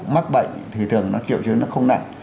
mắc bệnh thì thường nó chịu chứ nó không nặng